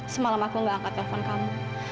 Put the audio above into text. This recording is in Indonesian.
semalam aku nggak angkat telepon kamu